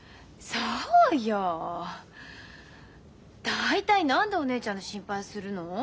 大体何でお姉ちゃんの心配するの？